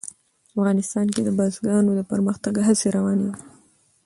افغانستان کې د بزګانو د پرمختګ هڅې روانې دي.